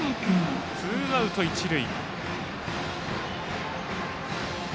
ツーアウト、一塁。